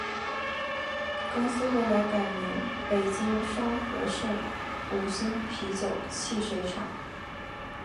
公司后来改名北京双合盛五星啤酒汽水厂。